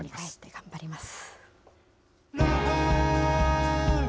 頑張ります。